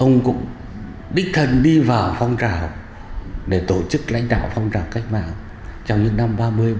ông cũng đích thần đi vào phong trào để tổ chức lãnh đạo phong trào cách mạng trong những năm ba mươi ba mươi một